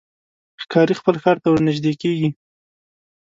ښکاري خپل ښکار ته ورنژدې کېږي.